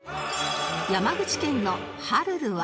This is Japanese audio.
山口県の晴るるは